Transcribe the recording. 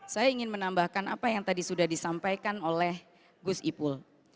saya ingin menambahkan apa yang tadi sudah disampaikan oleh gus ipul